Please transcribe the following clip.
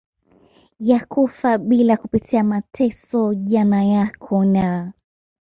ya kufa bila kupitia mateso Jana yako na